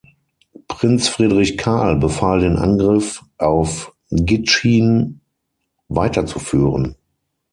Prinz Friedrich Karl befahl den Angriff auf Gitschin weiterzuführen.